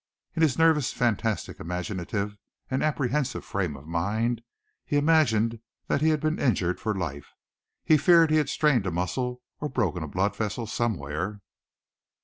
In his nervous, fantastic, imaginative and apprehensive frame of mind, he imagined he had been injured for life. He feared he had strained a muscle or broken a blood vessel somewhere.